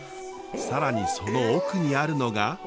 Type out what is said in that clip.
更にその奥にあるのが。